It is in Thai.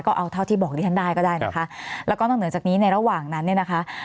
ก็เอาเท่าที่บอกที่ท่านได้ก็ได้นะคะแล้วก็ต่างเหนือจากนี้ในระหว่างนั้น